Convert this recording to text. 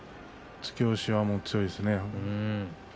突き押しが強いですね。